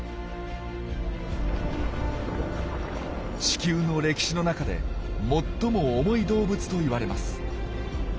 地球の歴史の中で最も重い動物といわれます。